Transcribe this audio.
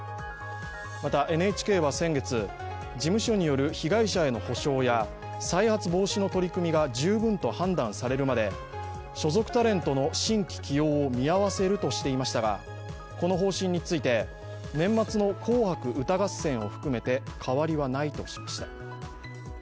また、ＮＨＫは先月、事務所による被害者への補償や再発防止の取り組みが十分と判断されるまで所属タレントの新規起用を見合わせるとしていましたが、この方針について年末の「紅白歌合戦」を含めて変わりはないとしました。